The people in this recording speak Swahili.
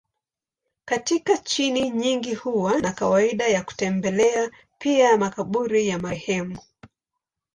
Katika nchi nyingi huwa na kawaida ya kutembelea pia makaburi ya marehemu.